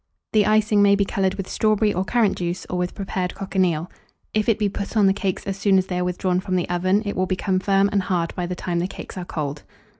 The icing may be coloured with strawberry or currant juice, or with prepared cochineal. If it be put on the cakes as soon as they are withdrawn from the oven, it will become firm and hard by the time the cakes are cold.